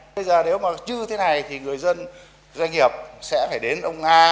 bây giờ nếu mà chưa thế này thì người dân doanh nghiệp sẽ phải đến ông a